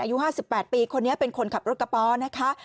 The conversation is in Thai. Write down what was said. อายุ๕๘ปีคนนี้เป็นคนขับรถกระป๋อนะคะ